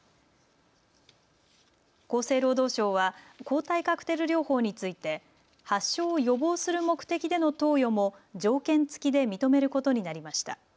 厚生労働省は抗体カクテル療法について発症を予防する目的での投与も条件付きで認めることになりました。